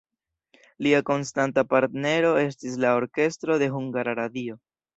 Lia konstanta partnero estis la orkestro de Hungara Radio.